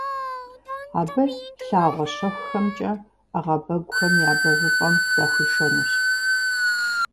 Абы лъагъуэ щэхухэмкӀэ ӏэгъэбэгухэм я бэвыпӀэм дыхуишэнущ.